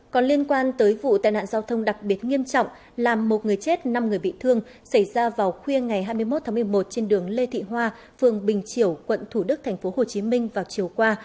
còn liên quan tới vụ tai nạn giao thông đặc biệt nghiêm trọng làm một người chết năm người bị thương xảy ra vào khuya ngày hai mươi một tháng một mươi một trên đường lê thị hoa phường bình triểu quận thủ đức tp hcm vào chiều qua